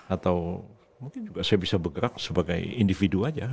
atau mungkin juga saya bisa bergerak sebagai individu saja